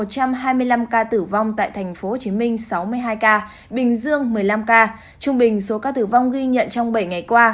trong một trăm hai mươi năm ca tử vong tại tp hcm sáu mươi hai ca bình dương một mươi năm ca trung bình số ca tử vong ghi nhận trong bảy ngày qua